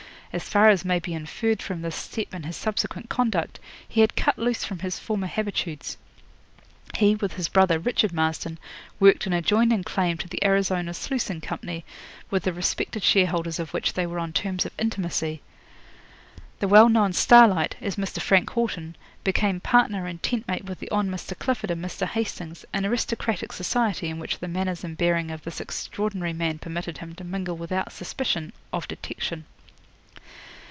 As far as may be inferred from this step and his subsequent conduct, he had cut loose from his former habitudes. He, with his brother, Richard Marston, worked an adjoining claim to the Arizona Sluicing Company, with the respected shareholders of which they were on terms of intimacy. The well known Starlight, as Mr. Frank Haughton, became partner and tent mate with the Hon. Mr. Clifford and Mr. Hastings, an aristocratic society in which the manners and bearing of this extraordinary man permitted him to mingle without suspicion of detection.